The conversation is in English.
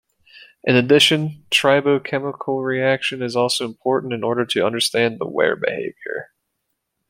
In addition, tribo-chemical reaction is also important in order to understand the wear behavior.